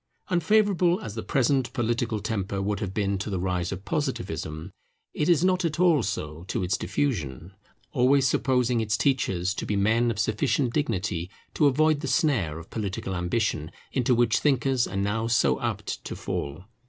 Unfavourable as the present political temper would have been to the rise of Positivism, it is not at all so to its diffusion; always supposing its teachers to be men of sufficient dignity to avoid the snare of political ambition into which thinkers are now so apt to fall.